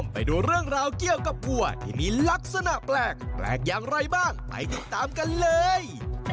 ไปเที่ยวกับวัวที่มีลักษณะแปลกแปลกอย่างไรบ้างไปติดตามกันเลย